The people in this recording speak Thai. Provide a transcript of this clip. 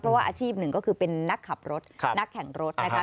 เพราะว่าอาชีพหนึ่งก็คือเป็นนักขับรถนักแข่งรถนะคะ